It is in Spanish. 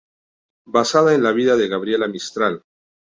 Basada en la vida de Gabriela Mistral.